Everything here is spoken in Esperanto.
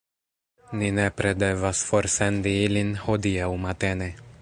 Ni nepre devas forsendi ilin hodiaŭ matene.